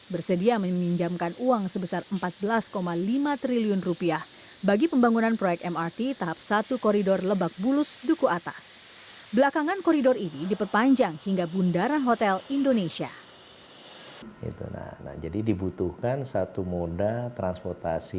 berikut laporannya untuk anda